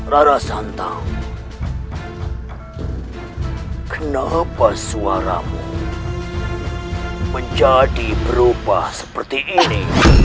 rana santan kenapa suaramu menjadi berubah seperti ini